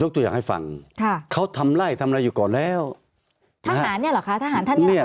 ยกตัวอย่างให้ฟังค่ะเขาทำไรทำอะไรอยู่ก่อนแล้วทหารเนี้ยเหรอคะ